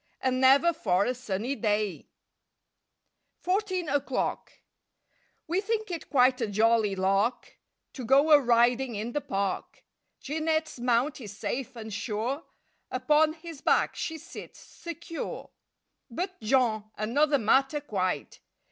And never for a sunny day! 29 THIRTEEN O'CLOCK 31 FOURTEEN O'CLOCK W E think it quite a jolly lark To go a riding in the park. Jeanette's mount is safe and sure, Upon his back she sits secure. But Jean—another matter, quite!